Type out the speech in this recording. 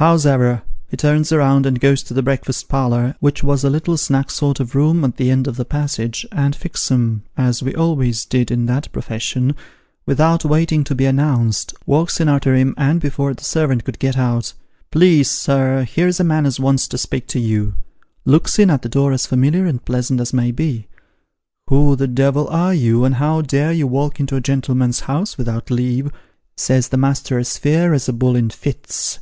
Hows'ever, he turns round, and goes to the breakfast parlour, which was a little snug sort of room at the end of the passage, and Fixem (as we always did in that pro fession), without waiting to be announced, walks in artcr him, and before the servant could get out, ' Please, sir, here's a man as wants to speak to you,' looks in at the door as familiar and pleasant as may be. ' Who the devil are you, and how dare you walk into a gentleman's house without leave ?' says the master, as fierce as a bull in fits.